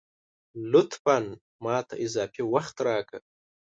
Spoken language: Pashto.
لطفاً ! ماته اضافي وخت راکه